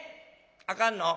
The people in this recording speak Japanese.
あかんの？